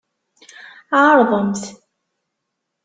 Ɛerḍemt!